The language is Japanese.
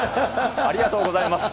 ありがとうございます。